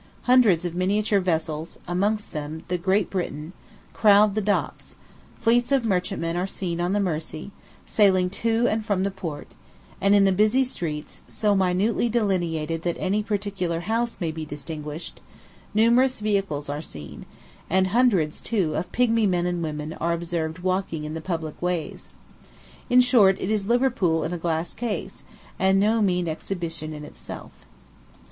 Hundreds of miniature vessels, amongst them the Great Britain, crowd the docks; fleets of merchantmen are seen on the Mersey, sailing to and from the port; and in the busy streets, so minutely delineated that any particular house may be distinguished, numerous vehicles are seen, and hundreds, too, of pygmy men and women are observed walking in the public ways. In short; it is Liverpool in a glass case, and no mean exhibition in itself.